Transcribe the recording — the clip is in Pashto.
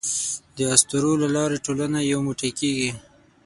د اسطورو له لارې ټولنه یو موټی کېږي.